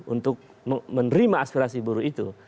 untuk menerima aspirasi buruh itu